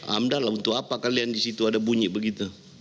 amdahlah untuk apa kalian disitu ada bunyi begitu